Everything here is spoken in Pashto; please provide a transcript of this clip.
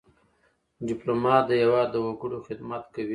ډيپلومات د هېواد د وګړو خدمت کوي.